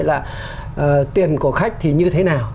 là tiền của khách thì như thế nào